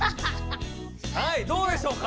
はいどうでしょうか？